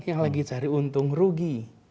yang lagi cari untung rugi